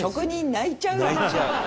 泣いちゃう。